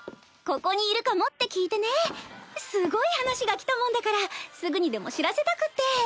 ここにいるかもって聞いてねすごい話が来たもんだからすぐにでも知らせたくって。